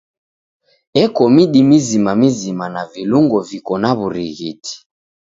Eko midi mizima mizima na vilungo viko na w'urighiti.